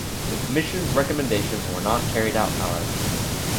The commission's recommendations were not carried out, however.